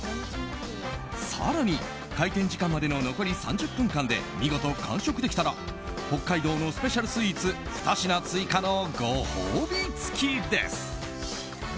更に、開店時間までの残り３０分間で見事完食できたら北海道のスペシャルスイーツ２品追加のご褒美付きです。